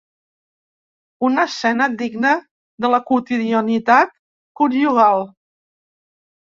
Una escena digna de la quotidianitat conjugal.